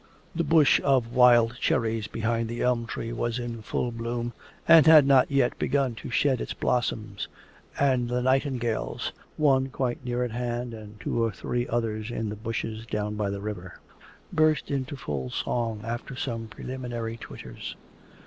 The bush of wild cherries behind the elm tree was in full bloom and had not yet begun to shed its blossoms, and the nightingales one quite near at hand and two or three others in the bushes down by the river burst into full song after some preliminary twitters.